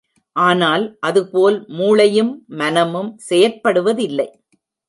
ஆனால் அதுபோல் மூளையும் மனமும் செயற்படுவதில்லை.